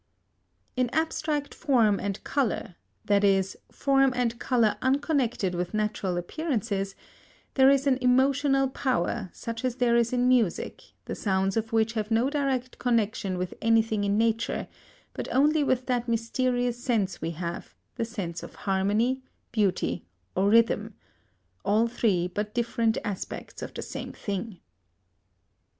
In abstract form and colour that is, form and colour unconnected with natural appearances there is an emotional power, such as there is in music, the sounds of which have no direct connection with anything in nature, but only with that mysterious sense we have, the sense of Harmony, Beauty, or Rhythm (all three but different aspects of the same thing).